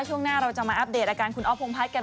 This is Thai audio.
ช่วงหน้าเราจะมาอัปเดตอาการคุณอ๊อฟพงพัฒน์กัน